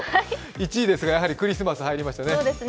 １位ですがクリスマス、入りましたね。